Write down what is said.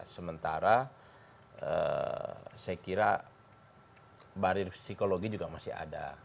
sementara saya kira barir psikologi juga masih ada